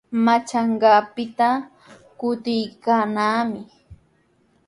Manchakanqaapita kutikaykaanami.